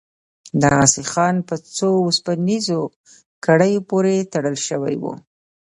دغه سيخان په څو وسپنيزو کړيو پورې تړل سوي وو.